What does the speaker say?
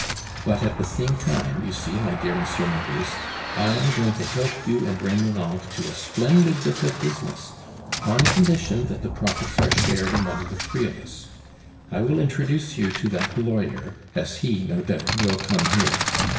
But at the same time, you see my dear M. Magus, I am going to help you and Remonencq to a splendid bit of business on condition that the profits are shared among the three of us. I will introduce you to that lawyer, as he, no doubt, will come here.